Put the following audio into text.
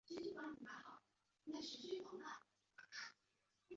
年后正式进入求职高峰